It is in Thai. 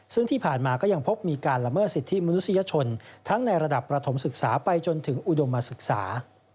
ซึ่งที่ผ่านมาก็ยังพบมีการละเมิดสิทธิมนุษยชนทั้งในระดับประถมศึกษาไปจนถึงอุดมศึกษา